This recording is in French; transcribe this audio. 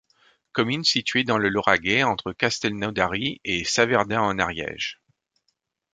Commune située dans le Lauragais entre Castelnaudary et Saverdun en Ariège.